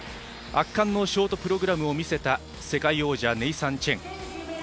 圧巻のショートプログラムを見せた世界王者、ネイサン・チェン。